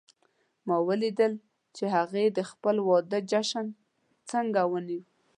ما ولیدل چې هغې د خپل واده جشن څنګه ونیو